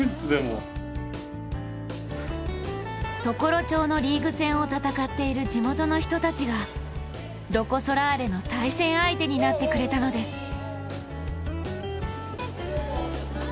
常呂町のリーグ戦を戦っている地元の人たちがロコ・ソラーレの対戦相手になってくれたのです。